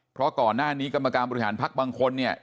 เพราะก่อนหน้านี้กรรมการบริหารพักบางคนเนี่ย